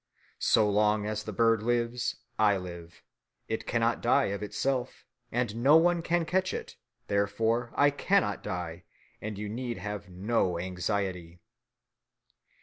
So long as the bird lives, I live. It cannot die of itself, and no one can catch it; therefore I cannot die, and you need have no anxiety."